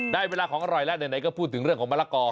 ได้เวลาของอร่อยแล้วไหนก็พูดถึงเรื่องของมะละกอ